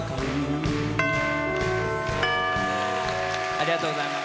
ありがとうございます。